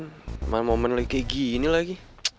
emang mau menu kayak gini lagi